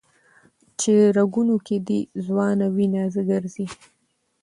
چي رګونو كي دي ځوانه وينه ګرځي